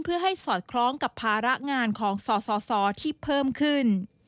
เพื่อให้สอดคล้องกับภาระงานของสสที่เพิ่มขึ้น